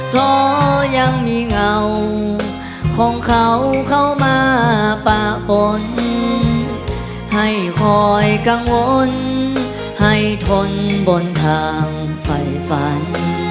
เพราะยังมีเงาของเขาเข้ามาปะปนให้คอยกังวลให้ทนบนทางไฟฝัน